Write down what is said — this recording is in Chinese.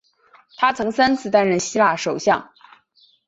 他曾三次担任希腊首相。